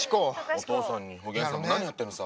お父さんにおげんさんも何やってんのさ。